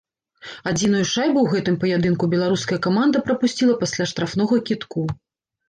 Адзіную шайбу ў гэтым паядынку беларуская каманда прапусціла пасля штрафнога кідку.